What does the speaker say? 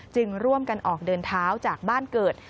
จึงร่วมกันออกเดินเท้าจากบ้านเกิด